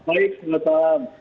baik selamat malam